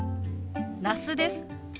那須です。